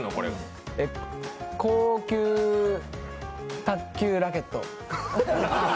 高級卓球ラケット？